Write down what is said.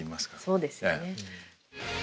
そうですよね。